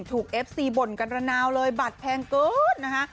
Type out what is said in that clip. ถูกเอฟซีบ่นกันระนาวเลยบัตรแพงก็อดนะฮะ